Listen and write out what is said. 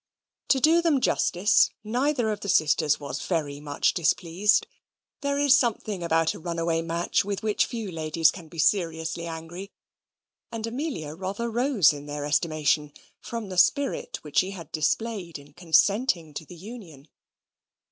To do them justice, neither of the sisters was very much displeased. There is something about a runaway match with which few ladies can be seriously angry, and Amelia rather rose in their estimation, from the spirit which she had displayed in consenting to the union.